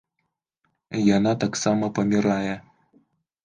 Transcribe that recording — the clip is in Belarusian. Яна таксама памiрае...